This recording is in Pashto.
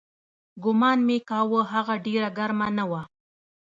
ګومان مې کاوه هغه ډېره ګرمه نه وه.